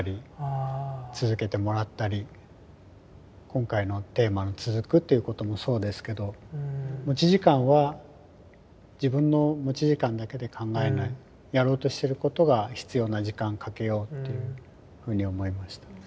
今回のテーマの「つづく」っていうこともそうですけど持ち時間はやろうとしてることが必要な時間かけようっていうふうに思いました。